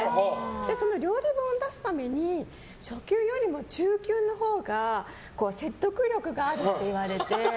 その料理本を出すために初級よりも中級のほうが説得力があるって言われて。